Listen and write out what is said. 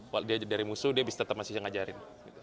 kalau dia dari musuh dia bisa tetap masih mengajarin